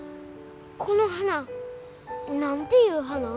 この花何ていう花？